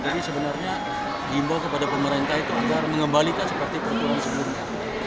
jadi sebenarnya diimbau kepada pemerintah itu agar mengembalikan seperti perjalanan sebelumnya